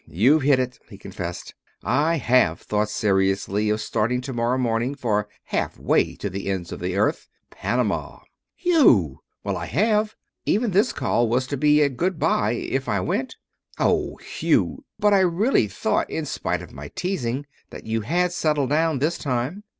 You've hit it," he confessed. "I have thought seriously of starting to morrow morning for half way to the ends of the earth Panama." "Hugh!" "Well, I have. Even this call was to be a good by if I went." "Oh, Hugh! But I really thought in spite of my teasing that you had settled down, this time."